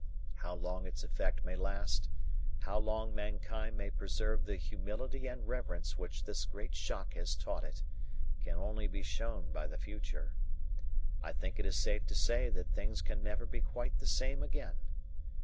How long its effect may last how long mankind may preserve the humility and reverence which this great shock has taught it can only be shown by the future. I think it is safe to say that things can never be quite the same again.